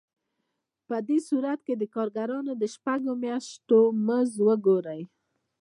په دې صورت کې د کارګرانو د شپږو میاشتو مزد وګورئ